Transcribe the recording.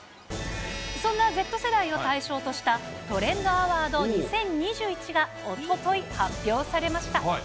そんなＺ世代を対象としたトレンドアワード２０２１が、おととい発表されました。